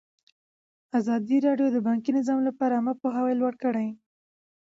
ازادي راډیو د بانکي نظام لپاره عامه پوهاوي لوړ کړی.